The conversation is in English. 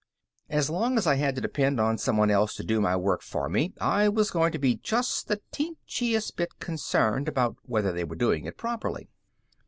And as long as I had to depend on someone else to do my work for me, I was going to be just the teenchiest bit concerned about whether they were doing it properly.